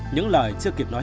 những lời chưa kịp nói ra